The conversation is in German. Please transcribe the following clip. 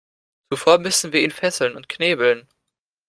Zuvor müssen wir ihn fesseln und knebeln.